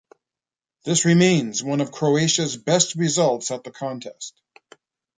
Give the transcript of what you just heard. This remains one of Croatia's best results at the contest.